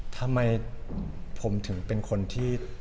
ทำไมผมถึงเป็นคนที่